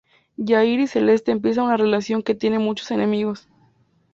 Yahir y Celeste empiezan una relación que tiene muchos enemigos.